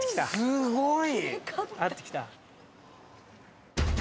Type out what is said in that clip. すごい。